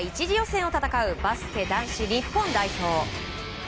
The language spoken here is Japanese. １次予選を戦うバスケ男子日本代表。